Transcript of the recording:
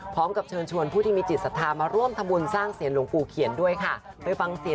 พร้อมกับเชิญชวนผู้ที่มีจิตสัตว์มาร่วมทำบุญสร้างเสียงหลวงภูเขียนด้วยค่ะ